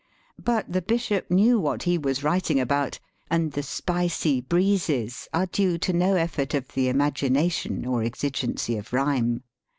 But the bishop knew what he was writing about, and the spicy breezes are due to no effort of the imagination or exigency of rhyme.